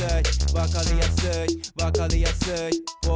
「わかりやすいわかりやすい」